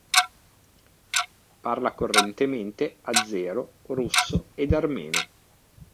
Parla correntemente Azero, Russo ed Armeno.